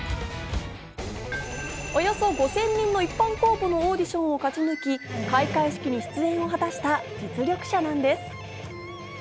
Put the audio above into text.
およそ５０００人の一般公募のオーディションを勝ち抜き、開会式に出演を果たした実力者なんです。